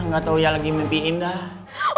gak tau uya lagi mimpiin gak